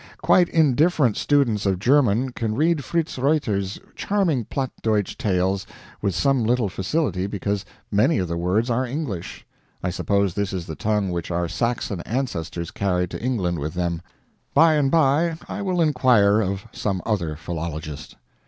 Quite indifferent students of German can read Fritz Reuter's charming platt Deutch tales with some little facility because many of the words are English. I suppose this is the tongue which our Saxon ancestors carried to England with them. By and by I will inquire of some other philologist.